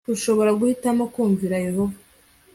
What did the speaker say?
Ushobora guhitamo kumvira Yehova